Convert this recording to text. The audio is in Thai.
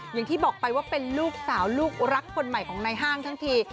อย่างที่บอกไปว่าเป็นลูกสาวลูกรักคนใหม่ของนายห้างทั้งที